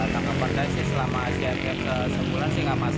tangan perdasi selama asia ria ke sepuluh sih